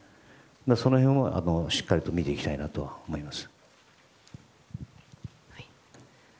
その辺を、しっかりと見ていきたいなと思います。